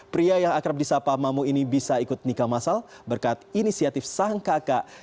pria yang akrab di sapa mamu ini bisa ikut nikah masal berkat inisiatif sang kakak